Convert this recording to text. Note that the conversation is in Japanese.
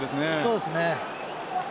そうですね。